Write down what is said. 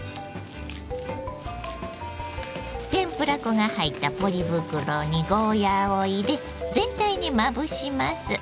天ぷら粉が入ったポリ袋にゴーヤーを入れ全体にまぶします。